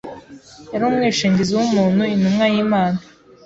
Yari umwishingizi w’umuntu, Intumwa y’Imana